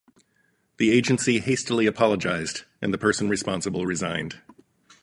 The agency hastily apologised and the person responsible resigned.